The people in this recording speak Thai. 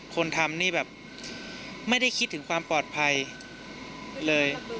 คนทำนี่แบบไม่ได้คิดถึงความปลอดภัยเลย